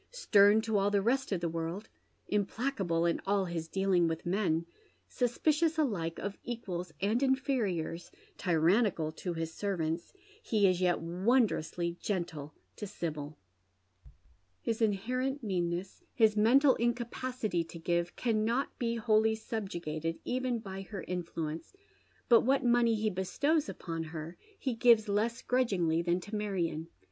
Stem CO all the rest of the world, implacable in all his dealing with men, suspicious alike of equals and inferiors, tyi annical to hia servants, he is yet wondrously gentle to Sibyl. His inherent meanneffi, his mental incapacity to give, carmot be wholly sub jugated even by her influence, but what money he bestows upon ber he gives less grudgingly than to Marion.